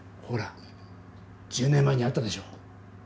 ほら１０年前にあったでしょ